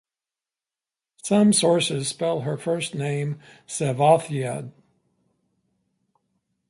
Some sources spell her first name Sevatheda.